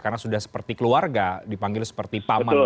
karena sudah seperti keluarga dipanggil seperti paman gitu